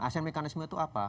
asean mekanisme itu apa